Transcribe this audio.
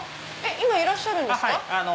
今いらっしゃるんですか。